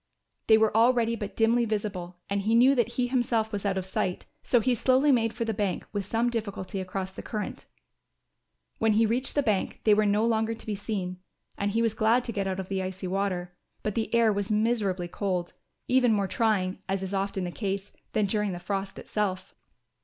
They were already but dimly visible and he knew that he himself was out of sight, so he slowly made for the bank with some difficulty across the current. When he reached the bank they were no longer to be seen, and he was glad to get out of the icy water. But the air was miserably cold, even more trying, as is often the case, than during the frost itself.